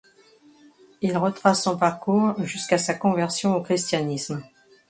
Il retrace son parcours jusqu'à sa conversion au christianisme.